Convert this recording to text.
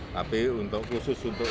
tapi khusus untuk